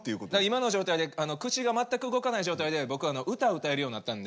今の状態で口が全く動かない状態で僕あの歌歌えるようになったんで。